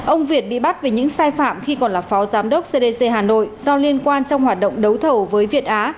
ông việt bị bắt vì những sai phạm khi còn là phó giám đốc cdc hà nội do liên quan trong hoạt động đấu thầu với việt á